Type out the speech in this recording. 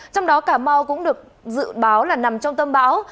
trong đó cà mau cũng được dự báo là nằm trong tâm bão